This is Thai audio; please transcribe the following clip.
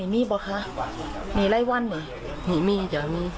มีมีแต่ว่ามี